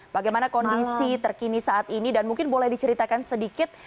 bagaimana kondisi terkini saat ini dan mungkin boleh diceritakan sedikit